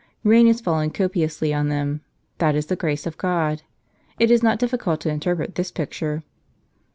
Rain is falling copiously on them; that is the grace of God. It is not difficult to interpret this picture."